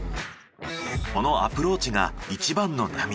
このアプローチが一番の悩み。